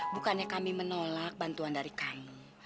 bukannya kami menolak bantuan dari kami